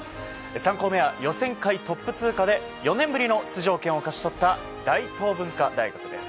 ３校目は予選会トップ通過で４年ぶりの出場権を勝ち取った大東文化大学です。